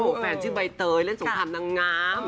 ก็พูดเรื่องใบเตยเล่นสงครามนางงาม